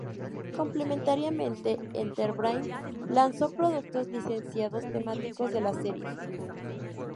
Complementariamente, Enterbrain lanzó productos licenciados temáticos de la serie.